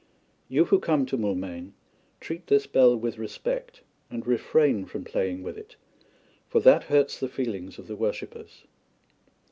You who come to Moulmein treat this bell with respect, and refrain from playing with it, for that hurts the feelings of the worshippers.